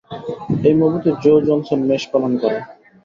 এই মুভিতে Joe Johnson মেষপালন করে।